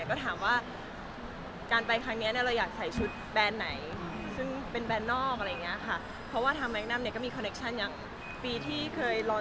ก็ถามว่าการไปทางนี้เราอยากใส่ชุดแบนไหนซึ่งเป็นแบนนอก